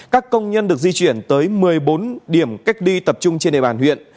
các công nhân được di chuyển tới một mươi bốn điểm cách ly tập trung trên địa bàn huyện